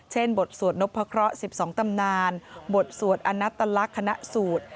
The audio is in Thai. บทสวดนพะเคราะห์๑๒ตำนานบทสวดอนัตลักษณ์คณะสูตร